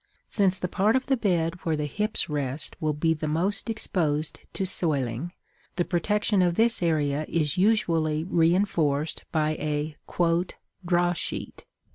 Since the part of the bed where the hips rest will be most exposed to soiling, the protection of this area is usually reinforced by a "draw sheet."